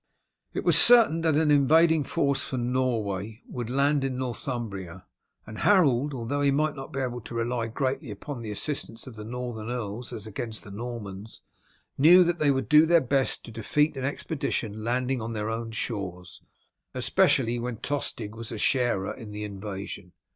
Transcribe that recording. It was certain that an invading force from Norway would land in Northumbria, and Harold, although he might not be able to rely greatly upon the assistance of the northern earls as against the Normans, knew that they would do their best to defeat an expedition landing on their own shores, especially when Tostig was a sharer in the invasion.